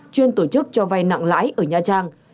chuyên tổ chức cho vay nặng lãi ở nha trang